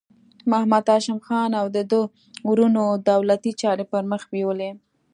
محمد هاشم خان او د ده وروڼو دولتي چارې پر مخ بیولې.